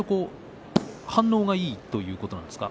反応がいいというところですか？